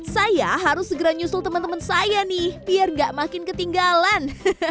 saya harus segera nyusul teman teman saya nih biar gak makin ketinggalan